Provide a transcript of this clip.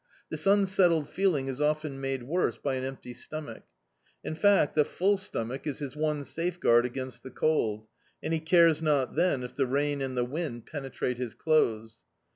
This unsettled feeling is often made worse by an empty stomach. In fact a full stomach is his one safeguard against the cold, and he cares not then if the rain and the wind penetrate his clothes.